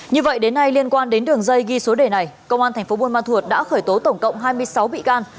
như vậy đến nay liên quan đến đường dây ghi số đề này công an tp buôn man thuột đã khởi tố tổng cộng hai mươi sáu bị can